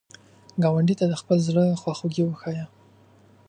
ګاونډي ته د خپل زړه خواخوږي وښایه